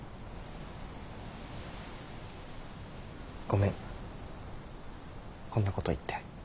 ごめんこんなこと言って。